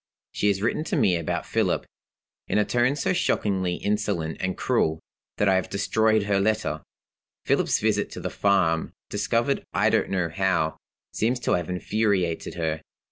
She has written to me about Philip, in a tone so shockingly insolent and cruel, that I have destroyed her letter. Philip's visit to the farm, discovered I don't know how, seems to have infuriated her.